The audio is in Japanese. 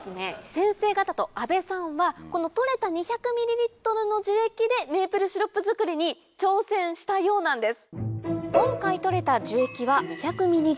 先生方と阿部さんはこの採れた２００ｍの樹液でメープルシロップ作りに挑戦したようなんです。